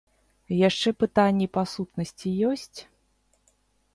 Яшчэ пытанні па сутнасці ёсць?